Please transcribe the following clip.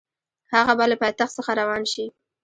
هغه به له پایتخت څخه روان شي.